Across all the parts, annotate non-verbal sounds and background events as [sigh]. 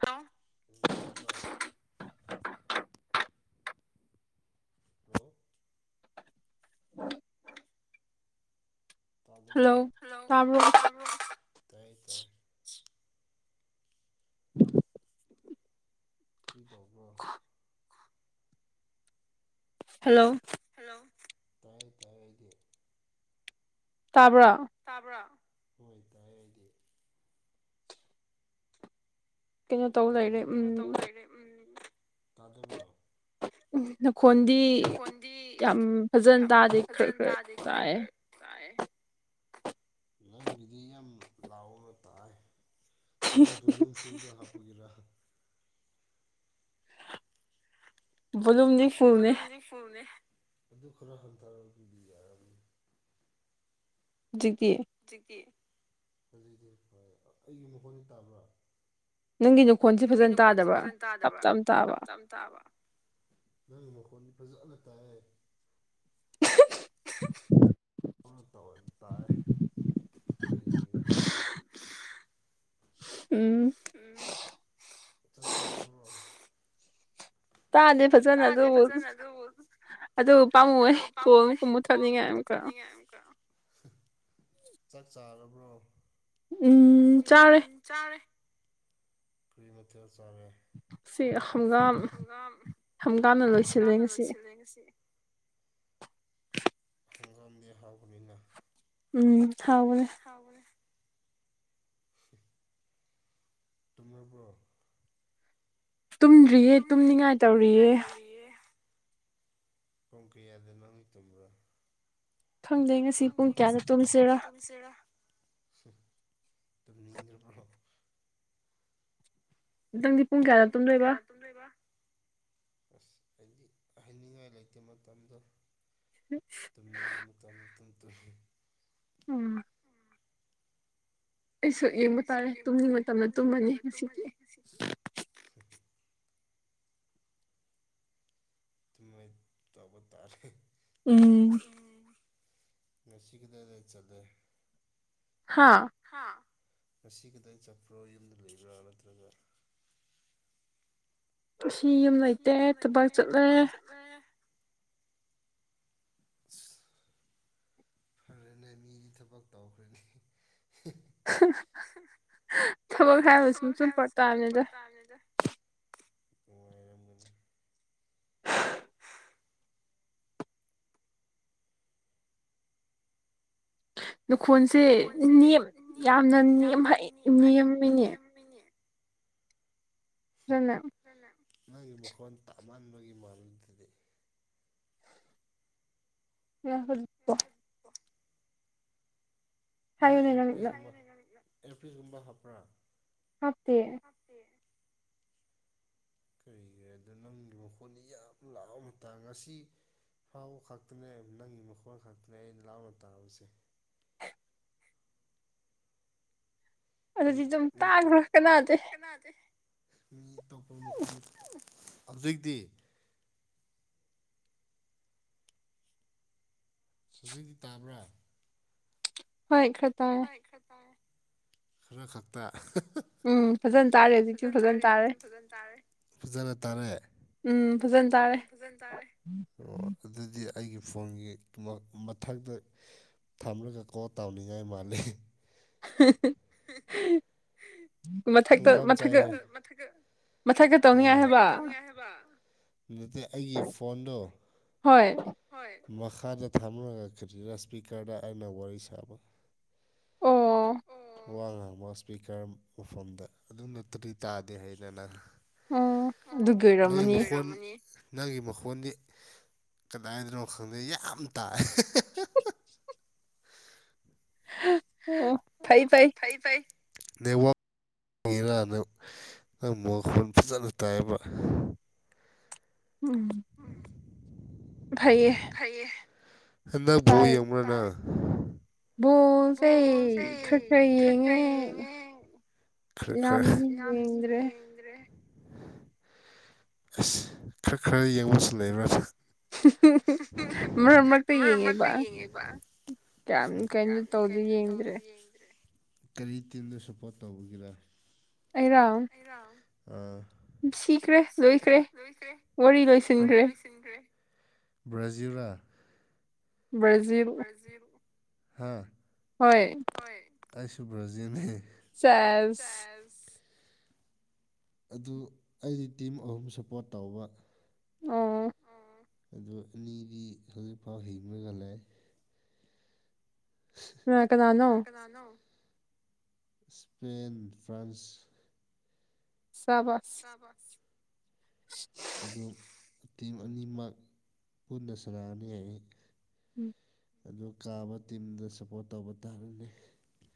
[unintelligible] [inaudible] Hello ꯇꯕ꯭ꯔꯣ ꯇꯥꯏꯌꯦ ꯇꯥꯏꯌꯦ ꯀꯔꯤ ꯇꯧꯕ꯭ꯔꯣ ꯍꯜꯂꯣ ꯍꯜꯂꯣ ꯇꯥꯏ ꯇꯥꯏꯌꯦ ꯑꯩꯗꯤ ꯇꯥꯕ꯭ꯔꯣ ꯇꯥꯕ꯭ꯔꯥ ꯎꯝ ꯇꯥꯏꯌꯦ ꯑꯩꯗꯤ ꯀꯩꯅꯣ ꯇꯧ ꯂꯩꯔꯦ ꯇꯗꯕꯔꯣ ꯅꯈꯣꯟꯗꯤ ꯌꯥꯝ ꯐꯖꯅ ꯇꯥꯗꯦ ꯈꯔ ꯈꯔ ꯇꯥꯏꯌꯦ [unintelligible] [unintelligible] [unintelligible] ꯕꯣꯂꯨꯝꯅꯤ ꯕꯣꯂꯨꯝꯘꯤ ꯐꯨꯜꯅꯦ ꯆꯤꯛꯀꯤ ꯍꯣꯏ ꯑꯩꯒꯤ ꯃꯈꯣꯟꯅ ꯇꯥꯕ꯭ꯔꯥ ꯅꯪꯒꯤ ꯅꯨꯡꯈꯣꯟꯁ ꯐꯖꯅ ꯇꯥꯗꯕ꯭ꯔꯥ ꯇꯞ ꯆꯞ ꯅꯪ ꯃꯈꯣꯟꯗꯤ ꯐꯖꯅ ꯇꯥꯏꯍꯦ ꯎꯝ ꯇꯧꯔꯗꯤ ꯇꯥꯔꯦ [inaudible] ꯎꯝ ꯆꯥꯛ ꯆꯥꯔꯕꯣ ꯇꯥꯗꯦ ꯐꯖꯅ ꯑꯗꯨꯕꯨ ꯑꯗꯨ ꯄꯥꯝꯃꯨꯕꯩ ꯀꯣꯜ ꯑꯃꯨꯛꯀ ꯃꯨꯊꯠꯅꯤꯡꯉꯦ ꯑꯃꯨꯛꯀ [unintelligible] ꯆꯥꯛ ꯆꯥꯔꯕ꯭ꯔꯣ ꯎꯝ ꯆꯥꯔꯦ ꯆꯥꯔꯦ ꯀꯔꯤ ꯃꯊꯦꯜ ꯆꯥꯔꯦ ꯁꯤ ꯍꯪꯒꯥꯝ ꯍꯪꯒꯥꯝꯅ ꯂꯣꯏꯁꯤꯜꯂꯦ ꯉꯁꯤ [unintelligible] ꯍꯪꯒꯥꯝꯗꯤ ꯍꯥꯎꯕꯅꯤꯅ ꯎꯝ ꯍꯥꯎꯕꯅꯦ [inaudible] ꯇꯨꯝꯃꯕꯔꯣ ꯇꯨꯝꯗ꯭ꯔꯤꯌꯦ ꯇꯨꯝꯅꯤꯡꯉꯥꯏ ꯇꯧꯔꯤꯌꯦ ꯄꯨꯡ ꯀꯌꯥꯗ ꯅꯪ ꯍ ꯇꯨꯝꯝꯕ꯭ꯔꯣ ꯈꯪꯗꯦ ꯈꯪꯗꯦ ꯉꯁꯤ ꯄꯨꯡ ꯀꯌꯥꯅ ꯇꯨꯝꯁꯤꯔꯥ ꯅꯪꯘꯤ ꯇꯪꯘꯤ ꯄꯨꯡ ꯀꯌꯥꯗ ꯑꯁ ꯑꯩꯗꯤ ꯍꯥꯏꯟꯅꯤꯡꯉꯥꯏ ꯂꯩꯇꯦ ꯃꯇꯝꯗꯣ ꯎꯝ ꯇꯂꯤꯉ ꯃꯇꯝ ꯃꯇꯝ ꯇ ꯎꯝ ꯏꯁ ꯑꯩꯁꯨ ꯌꯦꯡꯕ ꯇꯥꯔꯦ ꯇꯨꯝꯅꯤꯡꯕ ꯃꯇꯝꯗ ꯇꯨꯝꯃꯅꯤ ꯉꯁꯤꯗꯤ ꯑꯗꯨꯥꯏ ꯇꯕ ꯇꯥꯔꯦ ꯎ ꯉꯁꯤ ꯀꯗꯗ ꯆꯠꯂꯦ ꯍꯥꯥ ꯍꯥ ꯉꯁꯤ ꯀꯗꯥꯏ ꯆꯠꯄ꯭ꯔꯣ ꯌꯨꯝꯗ ꯂꯩꯕ꯭ꯔꯥ ꯅꯠꯇ꯭ꯔꯒ ꯁꯤ ꯌꯨꯝ ꯂꯩꯇꯦ ꯊꯕꯛ ꯆꯠꯂꯔꯦ ꯑ ꯐꯔꯦꯅꯦ ꯃꯤꯗꯤ ꯊꯕꯛ ꯇꯧꯈ꯭ꯔꯅꯤ ꯊꯕ ꯈꯥꯏ ꯁ ꯁꯨ ꯄꯇ ꯍꯥꯏꯗ ꯑꯣ ꯂꯨꯈꯣꯟꯁꯦ ꯅꯦꯝ ꯌꯥꯝꯅ ꯅꯦꯝꯍꯩ ꯅꯦꯝꯃꯤꯅꯦ [unintelligible] ꯅꯪꯒꯤ ꯃꯈꯣꯟ ꯇꯞꯃꯟꯕꯒꯤ ꯃꯔꯗꯨꯗꯤ ꯌꯥꯍꯣꯏ [unintelligible] [unintelligible] ꯅꯪ ꯑꯦꯔꯄꯤꯁꯀꯨꯝꯕ ꯑꯦꯞꯄꯤꯤꯁꯀꯨꯝꯕ ꯍꯥꯞꯄ꯭ꯔꯥ ꯍꯥꯞꯇꯦ ꯍꯥꯞꯇꯦ ꯀꯔꯤ ꯀꯔꯤ ꯑꯗ ꯅꯪꯒꯤ ꯃꯈꯣꯟꯅ ꯌꯥꯝ ꯂꯥꯛꯑ ꯃꯇꯥꯡ ꯉꯁꯤ ꯐꯥꯎꯕ ꯈꯛꯇꯅꯦ ꯅꯪꯒꯤ ꯃꯈꯣꯜ ꯈꯛꯇꯅꯦ ꯑꯩꯅ ꯂꯥꯎꯅ ꯇꯥꯕꯁꯦ ꯑꯗꯨꯗꯤ ꯗꯨꯝ ꯇꯥꯡꯕ꯭ꯔꯥ ꯀꯅꯥꯗꯩꯩ ꯃꯤ ꯇꯣꯞꯄ ꯃꯃꯥꯃꯨꯛ ꯍꯧꯖꯤꯛꯇꯤ ꯍꯧꯖꯤꯛꯇꯤ ꯇꯥꯕ꯭ꯔꯥ ꯍꯣꯏ ꯈꯔꯥꯇ ꯈꯔꯥ ꯇꯥꯌꯦ ꯈꯔ ꯈꯠꯇ ꯎꯝ ꯐꯖꯅ ꯇꯥꯔꯦ ꯍꯧꯖꯤꯛꯇꯤ ꯐꯖꯅ ꯇꯥꯔꯦ ꯐꯥꯖꯟ ꯇꯥꯔꯦ ꯐꯖꯅ ꯇꯥꯔꯦ ꯎꯝ ꯐꯖꯅ ꯇꯥꯔꯦ ꯑꯣ ꯑꯗꯨꯗꯤ ꯑꯩꯒꯤ ꯐꯣꯟꯒꯤ ꯃꯊꯛꯇ ꯊꯝꯂꯒꯀꯣ ꯇꯥꯎꯅꯤꯡꯉꯥꯏ ꯃꯥꯜꯂꯤ ꯃꯊꯛ ꯇ ꯃꯊꯛ ꯇ ꯍꯥꯏꯕ ꯅꯠꯇꯦ ꯑꯩꯒꯤ ꯐꯣꯟꯗꯣ ꯃꯈꯥꯗ ꯊꯝꯂꯒꯔ ꯏꯁꯄꯤꯀꯔꯗ ꯑꯩꯅ ꯋꯥꯔꯤ ꯁꯥꯕ ꯑꯣ ꯋꯥ ꯉꯥꯡꯕ ꯏꯁꯄꯤꯀꯔ ꯃꯐꯝꯗ ꯑꯗꯨ ꯅꯠꯇꯗꯤ ꯇꯥꯗꯦ ꯍꯥꯏꯅ ꯅꯪ ꯎꯝ ꯎꯝ ꯅꯣꯏ ꯃꯈꯣꯟ ꯅꯪꯒꯤ ꯃꯈꯣꯟꯗꯤ ꯀꯗꯥꯏꯗꯅꯣ ꯈꯪꯗꯦ ꯌꯥꯝ ꯇꯥꯏꯌꯦ [inaudible] ꯍꯥ ꯎꯝ ꯐꯩ ꯐꯩ ꯅꯦꯠꯋꯥꯛ ꯀꯩꯒꯤꯔꯥ ꯅꯪ ꯅꯪ ꯃꯈꯣꯟ ꯐꯖꯅ ꯇꯥꯏꯕ ꯎꯝ ꯎꯝ ꯐꯩꯌꯦ ꯐꯩꯌꯦ ꯍꯟꯗꯛ ꯕꯣꯜ ꯌꯦꯡꯕꯔ ꯅꯪ ꯕꯣꯜꯁꯦ ꯈꯔ ꯈꯔ ꯌꯦꯡꯉꯦ ꯈꯔ ꯈꯔ ꯌꯥꯝꯅꯗꯤ ꯌꯦꯡꯗ꯭ꯔꯦ ꯑꯁ ꯈꯔ ꯈꯔ ꯌꯦꯡꯕꯁꯨ ꯂꯩꯕ꯭ꯔ ꯍꯨꯝ ꯃꯔꯛ ꯃꯔꯛꯇ ꯌꯦꯡꯉꯦꯕ ꯌꯥꯝ ꯀꯩꯅꯣ ꯇꯧꯗꯤ ꯌꯦꯡꯗ꯭ꯔꯦ ꯀꯔꯤ ꯇꯤꯝꯗ ꯁꯞꯄꯣꯔꯠ ꯇꯧꯕꯒꯤꯔ ꯑꯩꯔꯣ ꯑꯩꯔꯣ ꯑꯥ ꯁꯤꯈ꯭ꯔꯦ ꯂꯣꯏꯈ꯭ꯔꯦ ꯋꯥꯔꯤ ꯂꯣꯏꯁꯤꯟꯈ꯭ꯔꯦ ꯕ꯭ꯔꯥꯖꯤꯔꯥ ꯕ꯭ꯔꯥꯖꯤꯔꯥ ꯕ꯭ꯔꯥꯖꯤꯔꯥ ꯍꯥ ꯍꯣꯏ ꯍꯣꯏ ꯑꯩꯁꯨ ꯕ꯭ꯔꯥꯖꯤꯔꯥꯅꯤ ꯁꯦꯏꯁ ꯑꯗꯨ ꯑꯩꯗꯤ ꯇꯤꯝ ꯑꯍꯨꯝ ꯁꯞꯄꯣꯔꯠ ꯇꯧꯕ ꯑꯣ ꯑꯗꯨ ꯑꯅꯤꯗꯤ ꯍꯧꯖꯤꯛꯐꯥꯎ ꯍꯤꯡꯉꯥꯒꯂꯩ ꯀꯅꯥ ꯀꯅꯥꯅꯣ ꯏꯁꯄꯦꯟ ꯐ꯭ꯔꯥꯟꯁ ꯁꯥꯕꯥꯁ ꯁꯥꯕꯁ [inaudible] ꯑꯗꯨꯝ ꯇꯤꯝ ꯑꯅꯤꯃꯛ ꯄꯨꯟꯅ ꯁꯥꯟꯅꯅꯤ ꯍꯥꯏ ꯌꯦ ꯎꯝ ꯑꯗꯨ ꯀꯥꯕ ꯇꯤꯝꯗ ꯁꯞꯄꯣꯔꯠ ꯇꯧꯕ ꯇꯥꯕꯅꯤ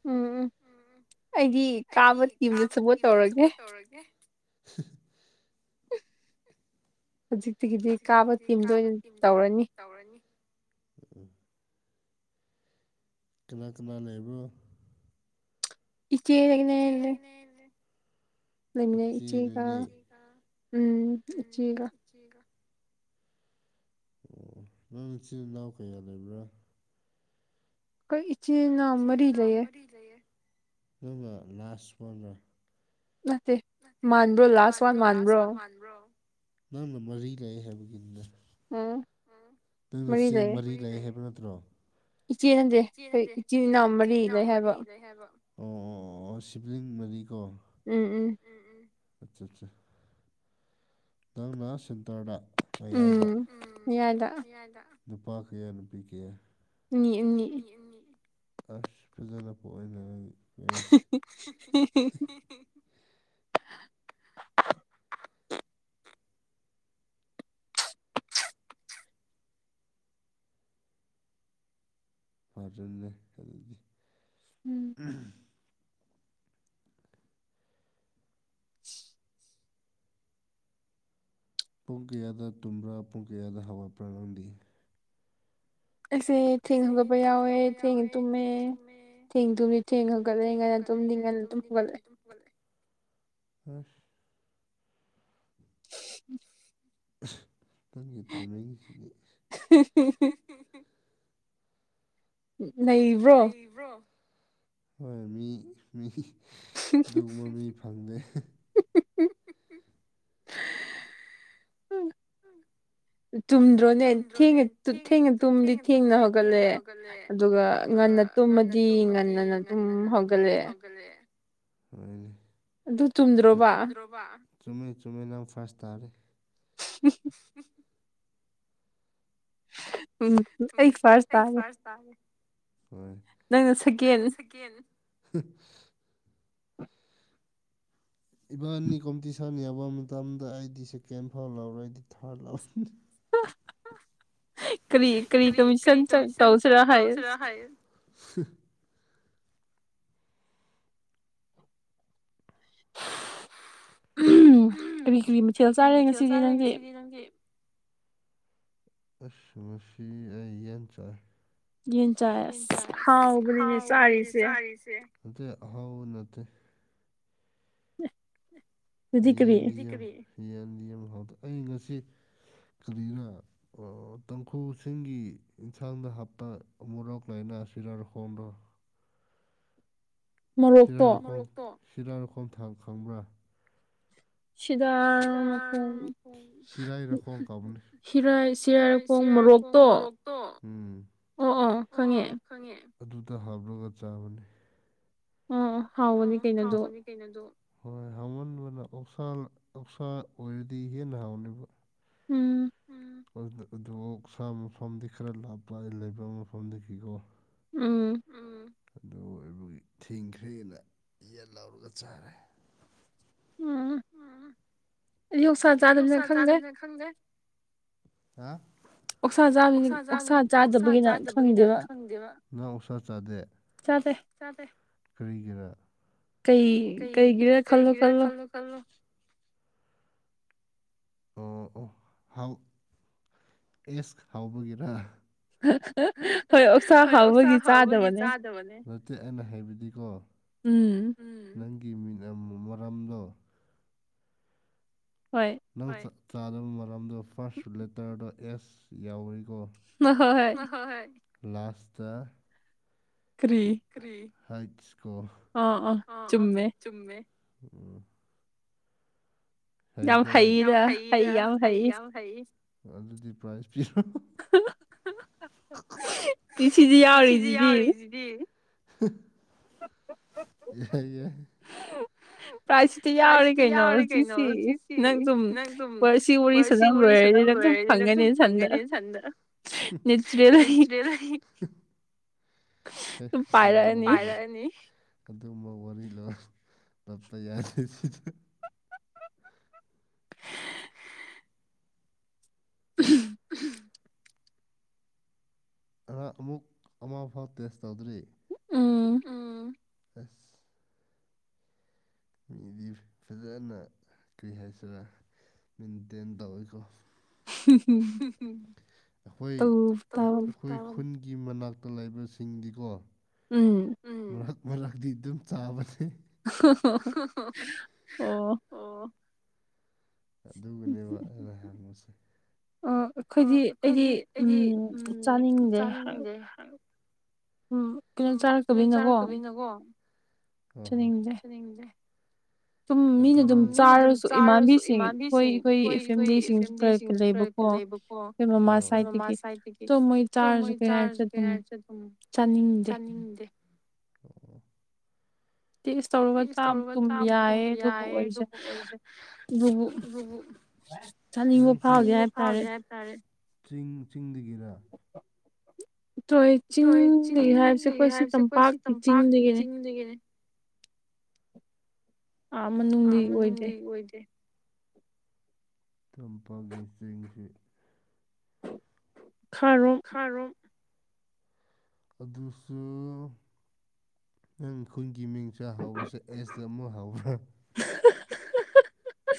ꯎꯝ ꯎ ꯑꯩꯗꯤ ꯑꯩꯗꯤ ꯀꯥꯕ ꯇꯤꯝꯗ ꯁꯄꯣꯔꯠ ꯇꯧꯔꯒꯦ ꯍꯧꯖꯤꯛꯇꯤꯒꯤꯗꯤ ꯀꯥꯕ ꯇꯤꯝꯗ ꯑꯣꯏꯅ ꯇꯧꯔꯅꯤ ꯇꯧꯔꯅꯤ ꯀꯅꯥ ꯀꯅꯥ ꯂꯩꯕꯣ ꯏꯆꯦ ꯂꯦꯛꯅꯦꯗꯨ ꯂꯤꯃꯤꯟꯅꯩ ꯏꯆꯦꯒ ꯎꯝ ꯏꯆꯦꯒ ꯏꯆꯦꯒ ꯑꯣ ꯅꯪ ꯅꯆꯤꯟ ꯅꯅꯥꯎ ꯀꯌꯥ ꯂꯩꯕ꯭ꯔ ꯑꯈꯣꯏ ꯏꯆꯤꯟ ꯏꯅꯥꯎ ꯃꯔꯤ ꯂꯩꯌꯦ ꯂꯩꯌꯦ ꯅꯪꯅ ꯂꯥꯁ ꯄꯅ ꯅꯠꯇꯦ ꯃꯥꯟꯕ꯭ꯔꯣ ꯂꯥꯁ ꯋꯥꯟ ꯃꯥꯟꯕ꯭ꯔꯣ ꯅ꯭ꯔꯣ ꯅꯪꯅ ꯃꯔꯤ ꯂꯩ ꯍꯥꯏꯕꯒꯤꯅꯦ ꯅꯪꯅ ꯆꯦ ꯃꯔꯤ ꯂꯩ ꯍꯥꯏꯕ ꯅꯠꯇ꯭ꯔꯣ ꯏꯆꯦ ꯅꯠꯇꯦ ꯑꯩꯈꯣꯏ ꯏꯆꯤꯟ ꯏꯅꯥꯎ ꯃꯔꯤ ꯂꯩ ꯍꯥꯏꯕ ꯍꯥꯏꯕ ꯑꯣ ꯑꯣ ꯑꯣ ꯑꯣ ꯁꯤꯕꯂꯤꯡ ꯃꯔꯤꯀꯣ ꯎꯝ ꯎꯝ ꯎ ꯑꯆꯥ ꯑꯆꯥ ꯅꯪꯅ ꯁꯦꯟꯇꯔꯗ ꯃꯌꯥꯏꯗ ꯅꯨꯄꯥ ꯀꯌꯥ ꯅꯨꯄꯤ ꯀꯌꯥ ꯑ ꯐꯤꯖꯅ ꯄꯣꯛꯑꯅꯦ ꯑꯗꯨꯗꯤ ꯎ ꯐꯖꯤꯜꯂꯦ ꯑꯗꯨꯗꯤ ꯎꯝ ꯑ ꯄꯨꯡ ꯀꯌꯥꯗ ꯇꯨꯝꯕ꯭ꯔꯥ ꯄꯨꯡ ꯀꯌꯥꯗ ꯍꯧꯒꯠꯄ꯭ꯔꯥ ꯅꯪꯗꯦ ꯑꯁꯤꯁꯦ ꯊꯦꯡ ꯍꯧꯒꯠꯄ ꯌꯥꯎꯋꯦ ꯊꯦꯡ ꯇꯨꯝꯃꯦ ꯊꯦꯡ ꯇꯨꯝꯃꯤ ꯊꯦꯡ ꯍꯧꯒꯠꯂꯅꯤ ꯀꯥꯏꯅꯨꯝ [inaudible] ꯎꯝ ꯅꯪꯒꯤ ꯂꯩꯔꯤꯕꯔꯣ ꯍꯣꯏ ꯃꯤ ꯃꯤ ꯃꯤ ꯐꯪꯗꯦ ꯆꯨꯝꯗ꯭ꯔꯣꯅꯦ ꯊꯦꯡꯅꯥ ꯊꯦꯡꯅꯥ ꯇꯨꯝꯃꯥꯗꯤ ꯊꯦꯡꯅ ꯍꯧꯒꯠꯂꯦ ꯑꯗꯨꯒ ꯉꯟꯅ ꯇꯨꯝꯃꯗꯤ ꯉꯟꯅꯅ ꯇꯨꯝ ꯍꯧꯒꯠꯂꯑꯦ ꯍꯅꯦ ꯑꯗꯨ ꯆꯨꯝꯗ꯭ꯔꯣꯕ ꯕ ꯆꯨꯝꯃꯦ ꯆꯨꯝꯃꯦ ꯂꯪ ꯐꯥꯁ ꯇꯥꯔꯦ ꯎꯝ ꯑꯩ ꯐꯔꯁ ꯇꯥꯔꯦ ꯅꯪꯅ ꯁ‌ꯦꯀ‌ꯦꯟ ꯏꯕꯥꯥꯟꯅꯤ ꯀꯝꯄꯤꯇꯤꯁꯥꯟ ꯌꯥꯋꯥꯝ ꯃꯇꯝꯗ ꯑꯩꯗꯤ ꯁꯦꯀꯦꯟ ꯐꯥꯎ ꯂꯧꯔ‌ꯣꯏ ꯑꯩꯗꯤ ꯊꯥꯔꯠ ꯂꯧꯔꯅꯤ ꯀꯔꯤ ꯀꯔꯤ ꯀꯃꯤꯁꯟ ꯆ ꯇꯧꯁꯤꯔ ꯍꯥꯏꯌ‌ꯦ ꯍꯨ [unintelligible] ꯀꯔꯤ ꯀꯔꯤ ꯃꯊꯦꯜ ꯆꯥꯔꯦ ꯉꯁꯤꯗꯤ ꯅꯪꯗꯤ ꯀꯩꯅꯪꯗꯤ ꯑꯁ ꯉꯁꯤ ꯑꯩ ꯌꯦꯟ ꯆꯥꯏ ꯌꯦꯟ ꯆꯥꯏ ꯑꯁ ꯍꯥꯎꯕꯅꯤꯅꯦ ꯆꯥꯔꯤꯁꯦ ꯍꯥꯎꯕ ꯅꯠꯇꯦ ꯌꯦꯟ ꯌꯦ ꯌꯦꯟ ꯌꯦ ꯌꯦ ꯍꯥꯎꯗ ꯑꯩ ꯉꯁꯤ ꯀꯔꯤꯔꯥ ꯇꯥꯡꯈꯨꯜꯁꯤꯡꯒꯤ ꯌꯦꯟꯁꯥꯡꯗ ꯍꯥꯞꯄꯥ ꯃꯣꯔꯣꯛ ꯂꯩꯅꯥ ꯁꯤꯔꯥꯏꯈꯣꯡꯗꯣ ꯔꯥ ꯁꯤꯔꯥꯔꯨꯈꯣꯡꯝ ꯊꯥꯛ ꯈꯪꯕ꯭ꯔꯥ ꯁꯤꯔꯥꯏ ꯔꯈꯣꯜ ꯀꯧꯕꯅꯦ ꯐꯤꯔꯥꯏ ꯆꯌꯥꯏꯄꯣꯡ ꯃꯣꯔꯣꯛꯇꯣ ꯑꯣ ꯑꯣ ꯈꯪꯉꯦ ꯑꯗꯨꯗ ꯍꯥꯞꯂꯒ ꯆꯥꯕꯅꯦ ꯎꯝ ꯍꯥꯎꯕꯅꯤ ꯀꯩꯅꯣ ꯗꯨ ꯀꯩꯅꯨꯗꯨ ꯍꯣꯏ ꯍꯥꯎꯃꯟꯕꯅ ꯑꯣꯛꯁꯥ ꯑ‌ꯣꯛꯁꯥ ꯑꯣꯏꯔꯗꯤ ꯍꯦꯟꯅ ꯍꯥꯎꯅꯤꯕ ꯎꯝ ꯎꯝ ꯑ ꯑꯗꯨ ꯁꯥ ꯃꯐꯝꯗꯤ ꯈꯔ ꯂꯥꯞꯄ ꯂꯩꯕ ꯃꯐꯝꯗꯒꯤꯀꯣ ꯎꯝ ꯎꯝ ꯑꯗꯨ ꯑꯣꯏꯕꯒꯤ ꯊꯤꯡꯈ꯭ꯔꯦꯅ ꯌꯦꯟ ꯂꯧꯔꯒ ꯆꯥꯔꯦ ꯑꯌ‌ꯣꯛꯁꯥ ꯆꯥꯗꯕꯤꯅ ꯈꯪꯗ‌ꯦ ꯍꯥ ꯑꯣꯛꯁꯥ ꯆꯥꯕ ꯑꯣꯛꯁꯥ ꯆꯥꯗꯕꯒꯤꯅ ꯈꯪꯗꯦꯕ ꯅꯪ ꯑꯣꯛꯁꯥ ꯆꯥꯗ‌ꯦ ꯆꯥꯗꯦ ꯆꯥꯗ‌ꯦ ꯀꯔꯤꯒꯤꯔꯥ ꯀꯩ ꯀꯩ ꯀꯩꯒꯤꯔꯥ ꯈꯜꯂꯣ ꯈꯜꯂꯣ ꯑꯣ ꯑꯣ ꯍꯥꯎ ꯑꯦꯁ ꯍꯥꯎꯕꯒꯤꯔꯥ ꯍꯣꯏ ꯑꯣꯛꯁꯥ ꯍꯥꯎꯕꯒꯤ ꯆꯥꯗꯕꯅꯦ ꯇ‌ꯦ ꯑꯩꯅ ꯍꯥꯏꯕꯗꯤꯀꯣ ꯎꯝ ꯎꯝ ꯅꯪꯒꯤ ꯃꯤꯡ ꯑꯃꯨ ꯃ‌ꯣꯔꯥꯝꯗꯣ ꯍꯣꯏ ꯅꯪ ꯍ‌ꯣꯏ ꯆꯥꯗꯕ ꯃ‌ꯣꯔꯝꯗ ꯐꯥꯔꯁ ꯂꯦꯇꯔꯗꯣ ꯑꯦꯁ ꯌꯥꯎꯔꯤꯀꯣ ꯑꯍ‌ꯣꯍ‌ꯣꯏ ꯂꯥꯁꯇ ꯀꯔꯤ ꯍꯥꯏꯠ ꯏꯁꯀ‌ꯣꯔ ꯑꯥ ꯑꯥ ꯆꯨꯝꯃꯦ ꯎꯝ ꯍꯩꯀ‌ꯣ ꯌꯥꯝ ꯍꯩꯗ ꯍꯩ ꯌꯥꯝ ꯍꯩ ꯑꯗꯨꯗꯤ ꯄ꯭ꯔꯥꯏꯁ ꯄꯤꯔ‌ꯣ [unintelligible] ꯄꯤꯁꯤꯗꯤ ꯌꯥꯎꯔꯤꯁꯤꯗꯤ ꯗꯤ [unintelligible] ꯌꯥꯏ ꯌꯥꯏ ꯄ꯭ꯔꯥꯏꯁꯇꯤ ꯌꯥꯎꯔꯦ ꯀꯩꯩꯅꯣ ꯖꯤ ꯁꯤ ꯅꯪ ꯑꯗꯨꯨꯝ ꯁꯤ ꯋꯥꯔꯤ ꯁꯅ ꯂꯣꯏꯔꯗꯤ ꯅꯪ ꯑꯗꯨꯝ ꯐꯪꯒꯅꯤ ꯁꯟꯗ ꯅꯦꯆꯔꯦꯜ [unintelligible] ꯇꯨꯝ ꯄꯥꯏꯔꯛꯑꯅꯤ ꯑꯗꯨꯒꯨꯝꯕ ꯋꯥꯔꯤ ꯂ‌ꯣ ꯅꯞꯄ ꯌꯥꯗꯦ ꯁꯤꯗ [unintelligible] ꯑ ꯑꯃꯨꯛ ꯑꯃ ꯐꯥꯎ ꯇꯦꯁ ꯇꯧꯗ꯭ꯔꯤ ꯎꯝ ꯑꯁ ꯃꯤꯗꯤ ꯐꯖꯅ ꯀꯔꯤ ꯍꯥꯏꯁꯤꯔꯥ ꯃꯦꯟꯇꯦꯟ ꯇꯧꯋꯤꯀꯣ ꯑꯩꯈꯣꯏ ꯇꯧ [unintelligible] ꯑꯩꯈꯣꯏ ꯈꯨꯟꯒꯤ ꯃꯅꯥꯛꯇ ꯂꯩꯕꯁꯤꯡꯗꯤꯀꯣ ꯎꯝ ꯎꯝ ꯃꯔꯛ ꯃꯔꯛꯇꯤ ꯑꯗꯨꯝ ꯆꯥꯕꯅꯦ ꯑꯣ ꯑꯗꯨꯒꯤꯅꯦꯕ ꯑꯩꯅ ꯍꯪꯉꯤꯁꯦ ꯑ ꯑꯩꯈꯣꯏꯗꯤ ꯑꯩꯗꯤ ꯎꯝ ꯆꯥꯅꯤꯡꯗꯦ [unintelligible] ꯎꯝ ꯀꯩꯅꯣ ꯆꯥꯔꯛꯀꯕꯤꯅꯀꯣ ꯆꯠꯅꯤꯡꯗꯦ ꯁ‌ꯦꯡꯗꯦ ꯑꯗꯨꯝ ꯃꯤꯅ ꯑꯗꯨꯝ ꯆꯥꯔꯁꯨ ꯏꯃꯥꯟꯕꯤꯁꯤꯡ ꯑꯈꯣꯏ ꯑꯩꯈꯣꯏ ꯐꯦꯃꯤꯂꯤꯁꯤꯡꯁꯨ ꯈꯔ ꯂꯩꯕ ꯑꯣ ꯈ‌ꯣꯏ ꯃꯃꯥ ꯁꯥꯏꯠꯇꯒꯤ ꯗꯨꯝ ꯃꯣꯏ ꯆꯥꯔꯁꯨ ꯀꯩ ꯍꯥꯏꯖꯤ ꯑꯗꯨꯝ ꯆꯥꯅꯤꯡꯗꯦ ꯑꯣ ꯇꯦꯁ ꯇꯧꯔꯒ ꯆꯥꯕ ꯇꯨꯝ ꯌꯥꯏꯌꯦ ꯑꯗꯨꯕꯨ ꯑꯣꯏꯁꯦ ꯑꯗꯨꯕꯨ ꯆꯥꯅꯤꯡꯕ ꯐꯥꯎꯒꯦ ꯍꯥꯏꯇꯔꯦ ꯆ ꯆꯤꯡ ꯗꯒꯤꯔ꯫ ꯑꯣꯏ ꯆꯤꯡ ꯍꯥꯏꯕꯁꯦ ꯑꯩꯈꯣꯏ ꯁꯤ ꯇꯝꯄꯥꯛꯀꯤ ꯆꯤꯡꯗꯒꯤꯅꯦ꯫ ꯑꯗꯨꯒꯤꯅꯦ꯫ ꯑꯥ ꯃꯅꯨꯡꯗꯤ ꯑꯣꯏꯗꯦ꯫ ꯑꯣꯏꯗꯦ꯫ ꯇꯝꯄꯥꯛꯒꯤ ꯆꯦꯡꯁꯤ꯫ ꯈꯔꯣ꯫ ꯈꯔꯣꯛ꯫ ꯑꯗꯨꯁꯨ ꯅꯪ ꯑꯩꯈꯣꯏꯒꯤ ꯃꯤꯡ ꯆ ꯍꯧꯕꯁꯦ ꯑꯦꯁ꯫ ꯂꯝꯃꯨ ꯍꯥꯎ꯭ꯕꯔꯣ꯫ [inaudible]